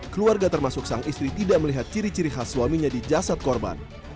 keluarga termasuk sang istri tidak melihat ciri ciri khas suaminya di jasad korban